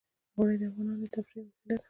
اوړي د افغانانو د تفریح یوه وسیله ده.